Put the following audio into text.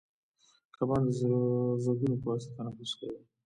کبان د زګونو په واسطه تنفس کوي